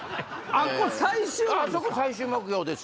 あそこ最終目標です。